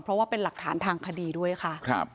เพราะว่าเป็นหลักฐานทางคดีด้วยค่ะ